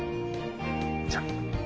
じゃあ。